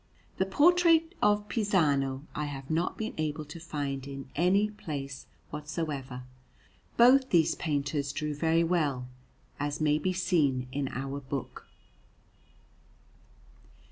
The portrait of Pisano I have not been able to find in any place whatsoever. Both these painters drew very well, as may be seen in our book.